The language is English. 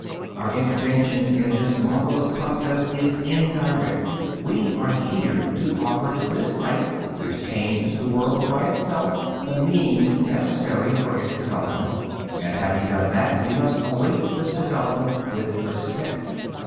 Our intervention in this marvelous process is indirect; we are here to offer to this life, which came into the world by itself, the means necessary for its development, and having done that we must await this development with respect.